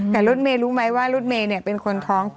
แต่รถเมย์รู้ไหมว่ารถเมย์เป็นคนท้อง